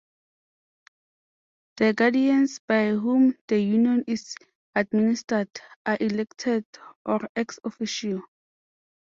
The Guardians by whom the union is administered are elected or ex officio.